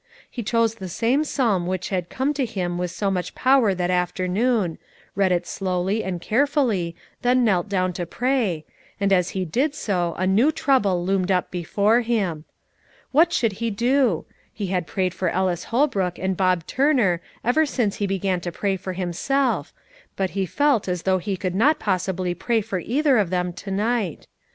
He chose the same psalm which had come to him with so much power that afternoon, read it slowly and carefully, then knelt down to pray, and as he did so a new trouble loomed up before him. What should he do? He had prayed for Ellis Holbrook and Bob Turner ever since he began to pray for himself, but he felt as though he could not possibly pray for either of them to night.